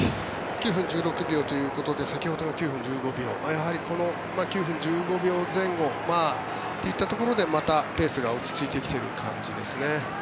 ９分１６秒ということで先ほどが９分１５秒やはり９分１５秒前後といったところでまたペースが落ち着いてきている感じですね。